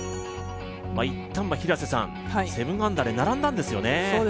いったんは７アンダーで並んだんですよね。